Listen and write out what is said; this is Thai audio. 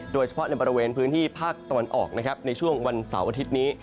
โดยเฉพาะในบริเวณพื้นที่ภาคตะวันออกนะครับในช่วงวันเสาร์อาทิตย์นี้